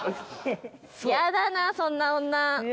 イヤだなそんな女。